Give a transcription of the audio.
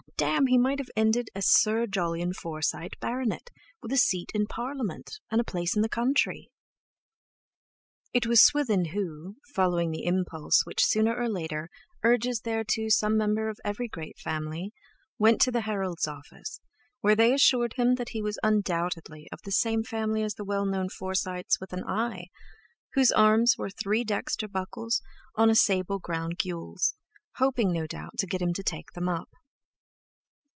Damme! he might have ended as Sir Jolyon Forsyte, Bart., with a seat in Parliament, and a place in the country! It was Swithin who, following the impulse which sooner or later urges thereto some member of every great family, went to the Heralds' Office, where they assured him that he was undoubtedly of the same family as the well known Forsites with an "i," whose arms were "three dexter buckles on a sable ground gules," hoping no doubt to get him to take them up.